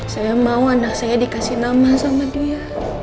saya mau anak saya dikasih nama sama dia